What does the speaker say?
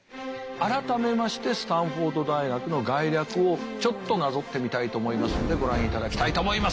改めましてスタンフォード大学の概略をちょっとなぞってみたいと思いますんでご覧いただきたいと思います。